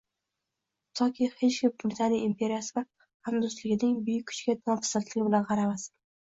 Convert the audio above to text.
Toki hech kim Britaniya imperiyasi va hamdo‘stligining buyuk kuchiga nopisandlik bilan qaramasin